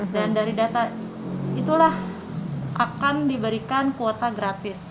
dan dari data itulah akan diberikan kuota gratis